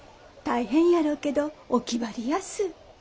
大変やろうけどお気張りやす。